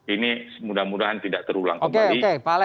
ini mudah mudahan tidak terulang kembali